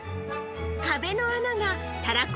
壁の穴がたらこ